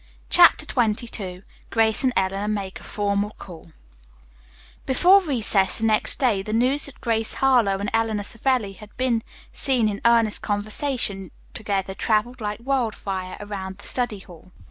CHAPTER XXII GRACE AND ELEANOR MAKE A FORMAL CALL Before recess the next day the news that Grace Harlowe and Eleanor Savelli had been seen in earnest conversation together traveled like wild fire around the study hall.